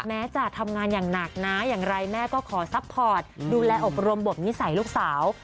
แม้จะทำงานอย่างหนักนะอย่างไรแม่ก็ขอซัพพอร์ตดูแลอบรมบทนิสัยลูกสาว